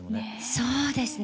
そうですね